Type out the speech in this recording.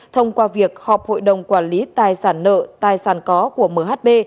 thông qua việc họp hội đồng quản lý tài sản nợ tài sản có của mhb